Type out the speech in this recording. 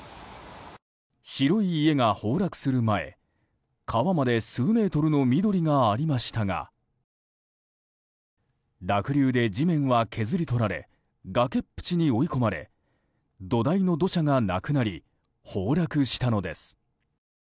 白い家が崩落する前、川まで数メートルの緑がありましたが濁流で地面は削り取られ崖っぷちに追い込まれ土台の土砂がなくなり崩落したのです。